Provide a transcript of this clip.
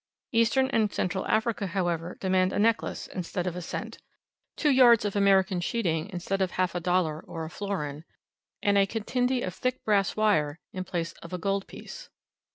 Eastern and Central Africa, however, demand a necklace, instead of a cent; two yards of American sheeting, instead of half a dollar, or a florin, and a kitindi of thick brass wire, in place of a gold piece.